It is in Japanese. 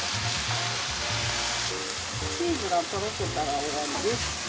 チーズがとろけたら終わりです。